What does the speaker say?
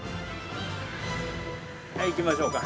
◆はい、行きましょうか。